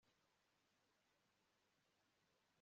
injira ucecetse kuvuga inzozi